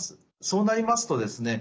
そうなりますとですね